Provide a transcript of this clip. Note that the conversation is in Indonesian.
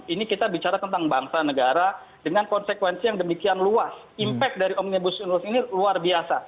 ini kita bicara tentang bangsa negara dengan konsekuensi yang demikian luas impact dari omnibus ini luar biasa